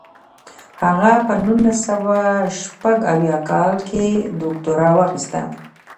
هغه په نولس سوه شپږ اویا کال کې دوکتورا واخیسته.